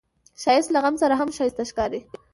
ښایست له غم سره هم ښايسته ښکاري